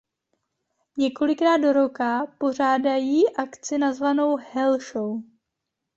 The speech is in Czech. Několikrát do roka pořádají akci nazvanou Hell show.